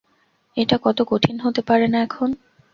এটা এত কঠিন হতে পারে না -এখন?